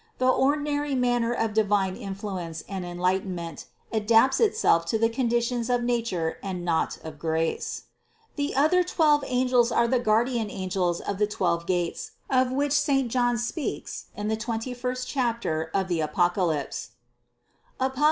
The ordinary manner of divine in fluence and enlightenment adapts itself to the conditions of nature and not of grace. 371. The other twelve angels are the guardian angels of the twelve gates, of which St. John speaks in the twen ty first chapter of the Apocalypse (Apoc.